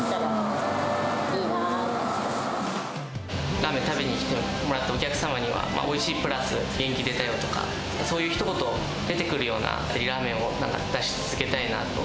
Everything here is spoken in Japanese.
ラーメン食べにきてもらったお客様には、おいしいプラス元気出たよとか、そういうひと言が出てくるようなラーメンを出し続けたいなと。